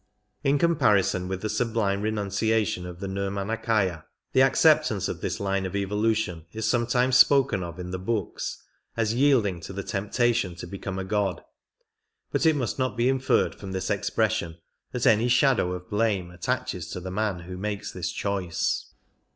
In comparison with the sublime renunciation of the Nir manakaya, the acceptance of this line of evolution is some times spoken of in the books as yielding to the temptation to become a god," but it must not be inferred from this ex pression that any shadow of blame attaches to the man who makes this choice.